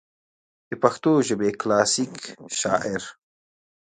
دَپښتو ژبې کلاسيکي شاعر